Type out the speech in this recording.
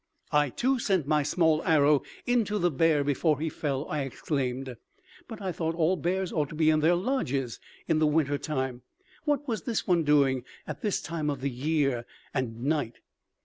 I too sent my small arrow into the bear before he fell," I exclaimed. "But I thought all bears ought to be in their lodges in the winter time. What was this one doing at this time of the year and night?"